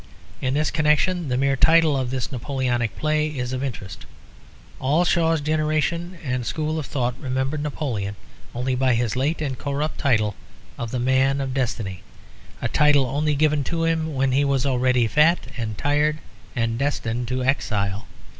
In this connection the mere title of this Napoleonic play is of interest. All Shaw's generation and school of thought remembered Napoleon only by his late and corrupt title of "The Man of Destiny," a title only given to him when he was already fat and tired and destined to exile.